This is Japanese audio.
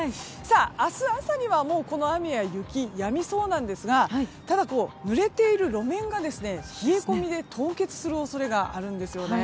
明日朝にはもう、この雨や雪やみそうなんですがただ、ぬれている路面が冷え込みで凍結する恐れがあるんですね。